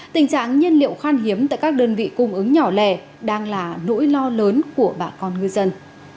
tình trạng nhiên liệu khan hiếm tại các đơn vị cung ứng nhỏ lẻ đang là nỗi lo lớn của bà con ngư dân